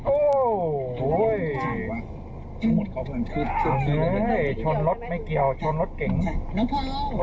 โอ้วเฮ้ยชนรถของเขาไม่เกียวน้องเผา